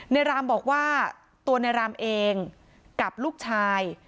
รามบอกว่าตัวในรามเองกับลูกชาย